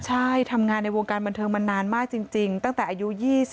ใช่ทำงานในวงการบันเทิงมานานมากจริงตั้งแต่อายุ๒๐